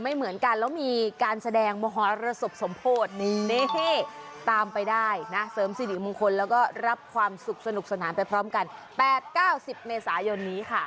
ไม่เหมือนกันแล้วมีการแสดงมหรสบสมโพธินี่ตามไปได้นะเสริมสิริมงคลแล้วก็รับความสุขสนุกสนานไปพร้อมกัน๘๙๐เมษายนนี้ค่ะ